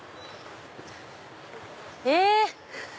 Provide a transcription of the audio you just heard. え！